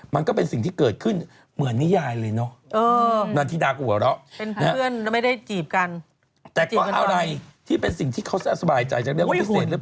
มันก็เป็นสิ่งที่เกิดขึ้นเหมือนนิยายเลยเนาะ